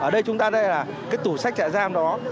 ra đây là cái tủ sách trại giam đó